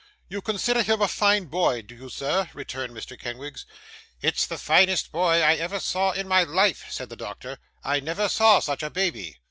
'You consider him a fine boy, do you, sir?' returned Mr. Kenwigs. 'It's the finest boy I ever saw in all my life,' said the doctor. 'I never saw such a baby.